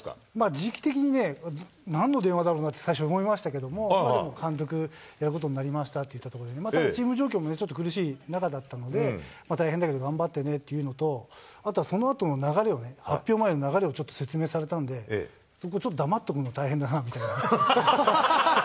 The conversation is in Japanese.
時期的にね、なんの電話だろうなって最初思いましたけれども、僕が監督やることになりましたって言ったことで、チーム状況もね、ちょっと苦しい状況だったので、大変だけど頑張ってねというのと、あとはそのあとの流れをね、発表前の流れをちょっと説明されたんで、そこ、ちょっと黙っとくの大変だなみたいな。